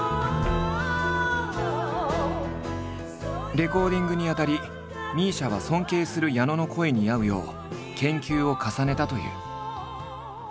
レコーディングにあたりＭＩＳＩＡは尊敬する矢野の声に合うよう研究を重ねたという。